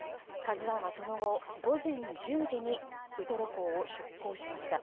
「ＫＡＺＵ１」は、その後午前１０時にウトロ漁港を出航しました。